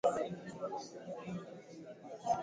Nitaketi na Yesu huko milele.